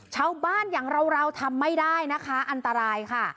ชาวบ้านอย่างเราทำไม่ได้นะคะอันตรายค่ะ